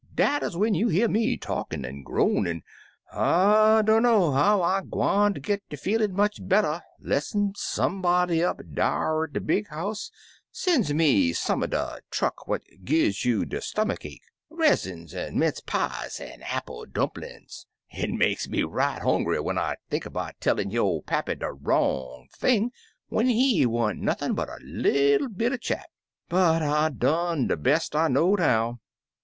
Dat 'uz when you hear me talkin' an' groanin'. I dunner how I'm gwineter git ter feelin' much better less'n somebody 28 Impty Umpty up dar at de big house sen's me some er de truck what gi's you de stomach ache — resslns^ an' minch pies, an' appile dumper lin's. It makes me right hongry when I think 'bout tellin' yo' pappy de wrong thing when he wa'n't nothin' but a little bit er chap. But I done de best I know'd how."